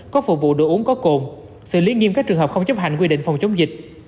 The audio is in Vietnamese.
có phục vụ đồ uống có cồn xử lý nghiêm các trường hợp không chấp hành quy định phòng chống dịch